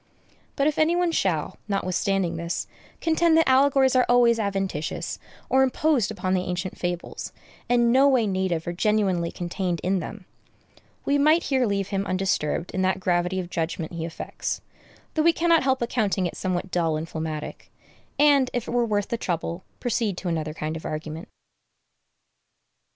But if any one shall, notwithstanding this, contend that allegories are always adventitious, or imposed upon the ancient fables, and no way native or genuinely contained in them, we might here leave him undisturbed in that gravity of judgment he affects (though we cannot help accounting it somewhat dull and phlegmatic), and, if it were worth the trouble, proceed to another kind of argument.